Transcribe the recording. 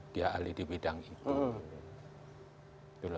dia ahli di bidang itu